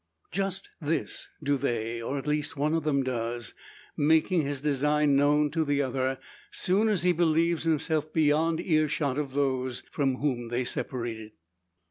Just this do they, or at least one of them does; making his design known to the other, soon as he believes himself beyond earshot of those from whom they separated.